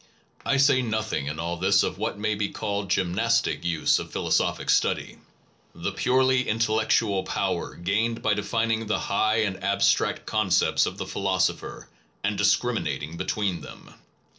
I say nothing in all this of what may be called the gymnastic use of philosophic study, the purely intellectual power gained by defin ing the high and abstract concepts of the phi losopher, and discriminating between them.